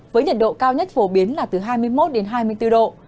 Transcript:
với nhiệt độ cao nhất phổ biến là từ hai mươi một đến hai mươi bốn độ